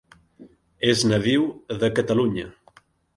És nadiu de Catalunya.